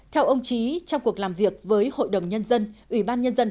theo ông trí trong cuộc làm việc với hội đồng nhân dân